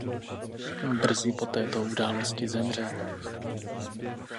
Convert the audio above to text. Brzy po této události zemřel.